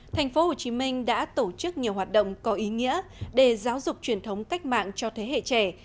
thành phố hồ chí minh đã tổ chức nhiều hoạt động có ý nghĩa để giáo dục truyền thống cách mạng cho thế hệ trẻ